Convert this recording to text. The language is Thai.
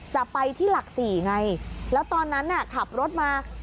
จะไปที่หลักสี่ไงแล้วตอนนั้นน่ะขับรถมา